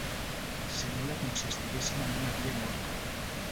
Sembla com si estiguéssim en una via morta.